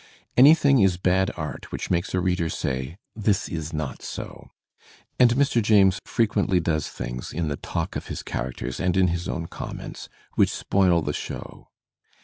Anything is bad art which makes a reader say: "This is not so." And Mr. James frequently does things in the talk of his characters and in his own comments which spoil the show.